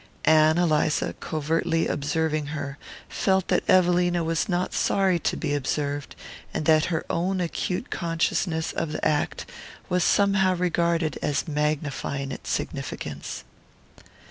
Ann Eliza, covertly observing her, felt that Evelina was not sorry to be observed, and that her own acute consciousness of the act was somehow regarded as magnifying its significance.